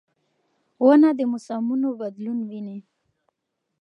ونه د موسمونو بدلون ویني.